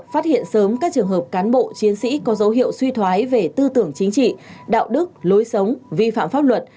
phát hiện sớm các trường hợp cán bộ chiến sĩ có dấu hiệu suy thoái về tư tưởng chính trị đạo đức lối sống vi phạm pháp luật